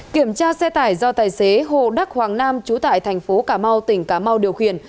kiểm tra xe tải do tài xế hồ đắc hoàng nam trú tại tp ca mau tỉnh ca mau điều khiển